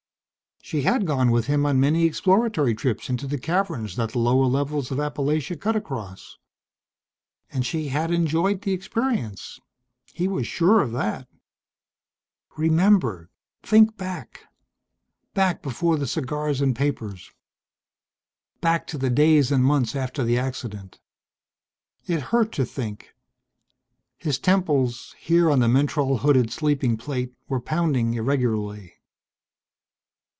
She had gone with him on many exploratory trips into the caverns that the lower levels of Appalachia cut across. And she had enjoyed the experience he was sure of that. Remember! Think back. Back before the cigars and papers. Back to the days and months after the accident. It hurt to think. His temples, here on the mentrol hooded sleeping plate, were pounding irregularly....